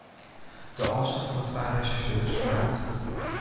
De âldste fan de twa resjersjeurs naam it wurd.